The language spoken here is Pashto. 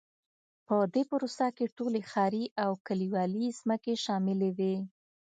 په دې پروسه کې ټولې ښاري او کلیوالي ځمکې شاملې وې.